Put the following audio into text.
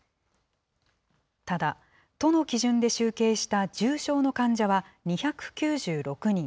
ただ、都の基準で集計した重症の患者は２９６人。